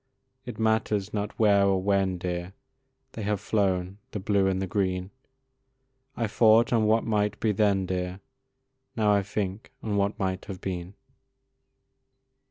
It matters not where or when, dear, They have flown, the blue and the green, I thought on what might be then, dear, Now I think on what might have been.